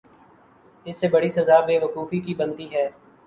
اس سے بڑی سزا بے وقوفی کی بنتی ہے۔